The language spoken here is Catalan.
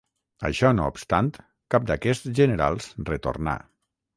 Això no obstant, cap d'aquests generals retornà.